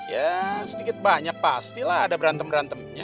ya sedikit banyak pastilah ada berantem berantemnya